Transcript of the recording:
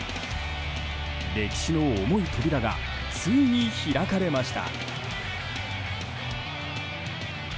歴史の重い扉がついに開かれました。